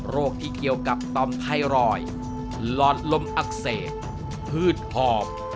ที่เกี่ยวกับต่อมไทรอยด์หลอดลมอักเสบพืชหอบ